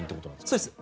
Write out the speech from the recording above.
そうです。